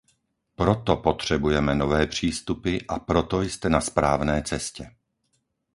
Proto potřebujeme nové přístupy a proto jste na správné cestě.